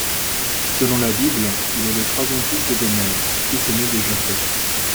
Selon la Bible, il est le troisième fils de Gomère, fils aîné de Japhet.